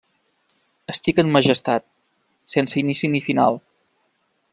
Estic en majestat, sense inici ni final.